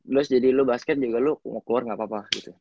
terus jadi lu basket juga lu ngoklur gapapa gitu